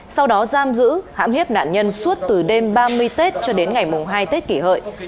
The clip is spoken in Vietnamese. sau đó giam giữ hãm hiếp nạn nhân suốt từ đêm ba mươi tết cho đến ngày mùng hai tết kỷ hợi